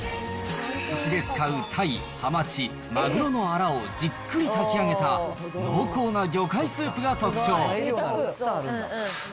すしで使うたい、はまち、まぐろのあらをじっくり炊き上げた濃厚な魚介スープが特徴。